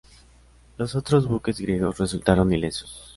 Los otros buques griegos resultaron ilesos.